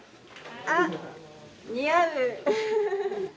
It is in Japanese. あっ似合う。